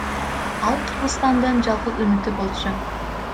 Ал Кыргызстандын жалгыз үмүтү болчу.